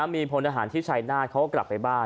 มีทหารที่ช่ายหน้าจะกลับไปบ้าน